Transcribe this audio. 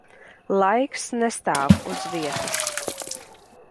Laiks nestāv uz vietas.